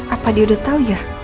apa dia udah tau ya